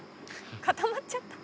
固まっちゃった。